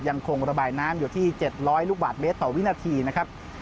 ยังคงระบายน้ำอยู่ที่๗๐๐ลูกบาทเมตรต่อวินาทีนะครับ